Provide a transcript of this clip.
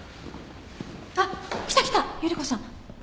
あっ来た来た依子さん。